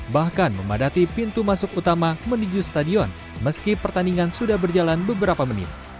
bahkan memadati pintu masuk utama menuju stadion meski pertandingan sudah berjalan beberapa menit